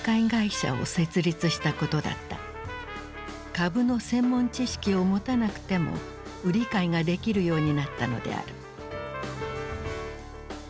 株の専門知識を持たなくても売り買いができるようになったのである。